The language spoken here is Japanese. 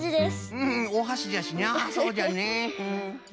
うんおはしじゃしなそうじゃね。